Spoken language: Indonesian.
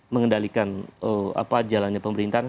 mengendalikan jalannya pemerintahan